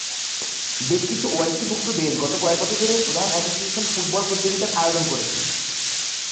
বেশকিছু ওআইসি ভুক্ত দেশ গত কয়েক বছর ধরে প্রধান অ্যাসোসিয়েশন ফুটবল প্রতিযোগিতার আয়োজন করছে।